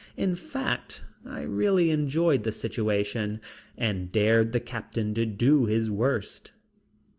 In fact, I really enjoyed the situation and dared the captain to do his worst.